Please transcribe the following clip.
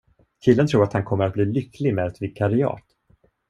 Killen tror att han kommer bli lycklig med ett vikariat.